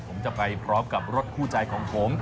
ผมจะไปพร้อมกับรถคู่ใจของผม